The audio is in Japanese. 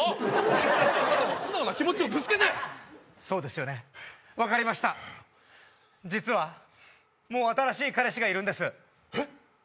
ほらあなたも素直な気持ちをぶつけてそうですよね分かりました実はもう新しい彼氏がいるんですえっ？